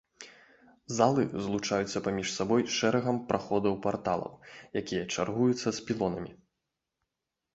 Залы злучаюцца паміж сабой шэрагам праходаў-парталаў, якія чаргуюцца з пілонамі.